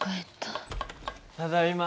ただいま。